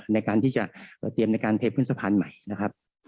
ในการที่จะเตรียมในการเทพื้นสะพานใหม่นะครับ